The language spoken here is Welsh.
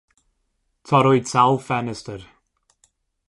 Torrwyd sawl ffenestr.